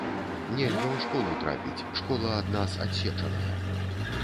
Нельга ў школу трапіць, школа ад нас адсечаная.